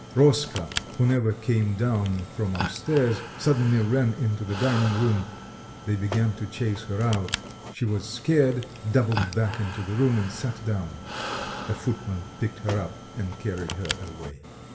Roska, who never came down from up stairs, suddenly ran into the dining room; they began to chase her out; she was scared, doubled back into the room and sat down; a footman picked her up and carried her away.